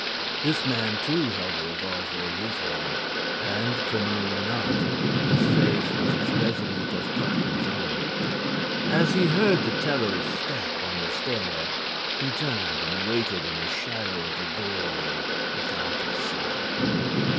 This man, too, held a revolver in his hand, and, criminal or not, his face was as resolute as Pupkin's own. As he heard the teller's step on the stair, he turned and waited in the shadow of the doorway without a sound.